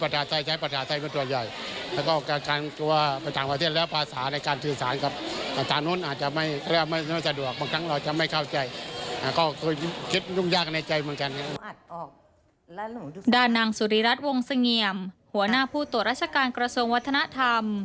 ด้านนางสุริรัติวงเสงี่ยมหัวหน้าผู้ตรวจราชการกระทรวงวัฒนธรรม